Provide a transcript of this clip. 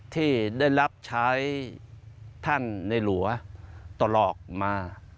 ที่ได้รับชายท่านในหลวงราชกาลตลอกมา